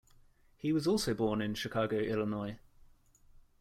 He was also born in Chicago, Illinois.